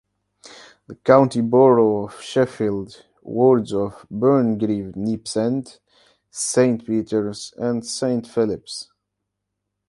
The County Borough of Sheffield wards of Burngreave, Neepsend, Saint Peter's, and Saint Phillip's.